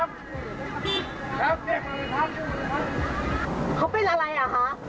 ไหนล่ะไหนล่ะไหนล่ะไหนล่ะ